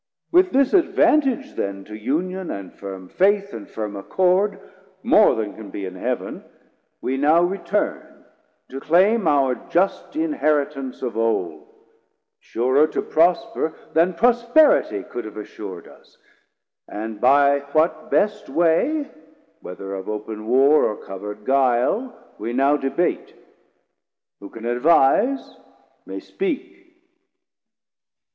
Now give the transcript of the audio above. With this advantage then To union, and firm Faith, and firm accord, More then can be in Heav'n, we now return To claim our just inheritance of old, Surer to prosper then prosperity Could have assur'd us; and by what best way, 40 Whether of open Warr or covert guile, We now debate; who can advise, may speak.